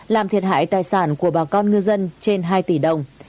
làm thiệt hại tài sản của bà con ngư dân trên hai tỷ đồng